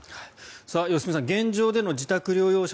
良純さん、現状での自宅療養者